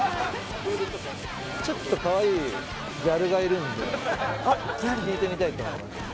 ちょっとかわいいギャルがいるんで聞いてみたいと思います。